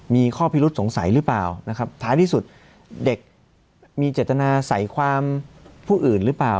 มีข้อพิรุษสงสัยหรือเปล่านะครับท้ายที่สุดเด็กมีเจตนาใส่ความผู้อื่นหรือเปล่า